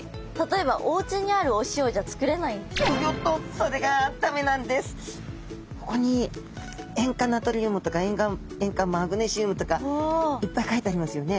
これ例えばここに「塩化ナトリウム」とか「塩化マグネシウム」とかいっぱい書いてありますよね。